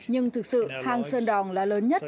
nhưng thực sự hang sơn đòn là lớn nhất